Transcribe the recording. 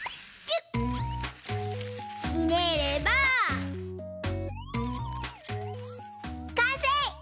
ひねればかんせい！